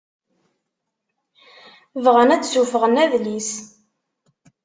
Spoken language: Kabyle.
Bɣan ad d-suffɣen adlis.